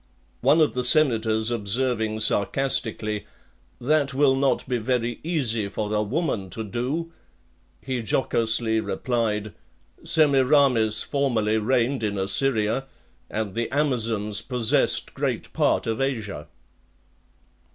One of the senators observing, sarcastically: "That will not be very easy for a woman to do," he jocosely replied, "Semiramis formerly reigned in Assyria, and the Amazons possessed great part of Asia."